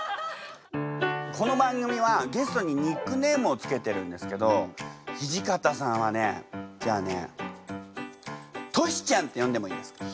この番組はゲストにニックネームを付けてるんですけど土方さんはねじゃあね「トシちゃん」って呼んでもいいですか？